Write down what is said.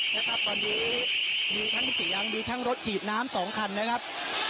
นะครับตอนนี้มีทั้งเสียงมีทั้งรถฉีดน้ำสองคันนะครับ